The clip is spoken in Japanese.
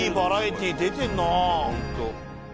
ホント。